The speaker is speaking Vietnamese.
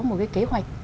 một cái kế hoạch